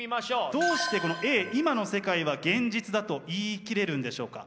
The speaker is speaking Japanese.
どうしてこのＡ今の世界は現実だと言い切れるんでしょうか？